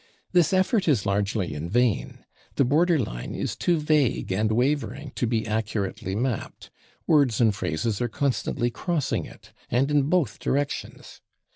This effort is largely in vain; the border line is too vague and wavering to be accurately mapped; words and phrases are constantly crossing it, and in both directions.